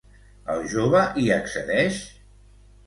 El jove hi accedeix?